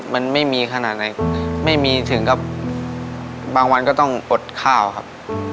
มันไม่มีขนาดไหนไม่มีถึงกับบางวันก็ต้องอดข้าวครับ